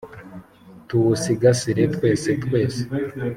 tuwusigasire twese twese,